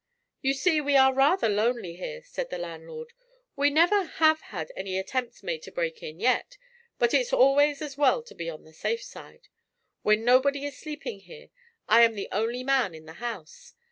"You see, we are rather lonely here," said the landlord. "We never have had any attempts made to break in yet, but it's always as well to be on the safe side. When nobody is sleeping here, I am the only man in the house.